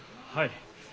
はい。